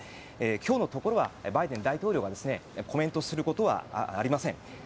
今日のところはバイデン大統領がコメントすることはありません。